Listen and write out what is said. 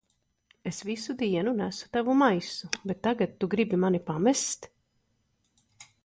Es visu dienu nesu tavu maisu, bet tagad tu gribi mani pamest?